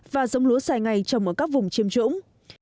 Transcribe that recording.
và giống lúa dài ngày trồng ở các vùng chiêm trũng